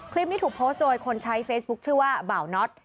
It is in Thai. คลิปนี้ถูกโพสต์โดยคนใช้เฟซบุ๊คชื่อว่าเบาน็อต